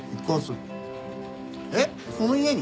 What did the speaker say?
えっその家に！？